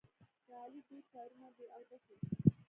د علي ډېر کارونه بې اودسه دي.